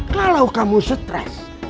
kalau kamu stres